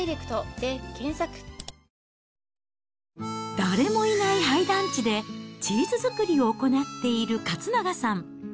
誰もいない廃団地で、チーズ作りを行っている勝長さん。